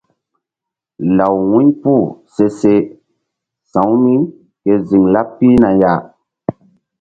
Law wu̧y puh se se sa̧w mí ke ziŋ laɓ pihna ya.